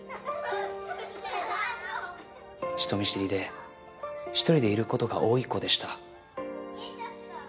人見知りで一人でいる事が多い子でした。